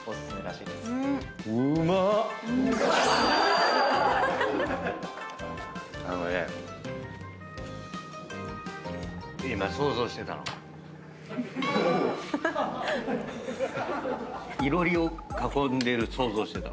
いろりを囲んでる想像してたのよ。